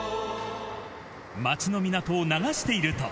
町の港を流していると。